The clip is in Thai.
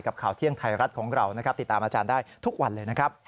ข่าวเที่ยงไทยรัฐของเรานะครับติดตามอาจารย์ได้ทุกวันเลยนะครับ